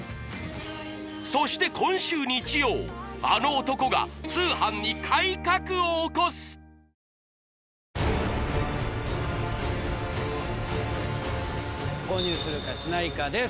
そして今週日曜あの男が通販に改革を起こす購入するかしないかです